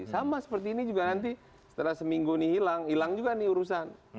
sama seperti ini juga nanti setelah seminggu ini hilang hilang juga nih urusan